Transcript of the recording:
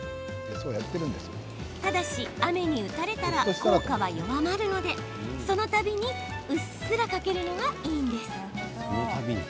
ただし、雨に打たれたら効果は弱まるのでそのたびに、うっすらかけるのがいいんです。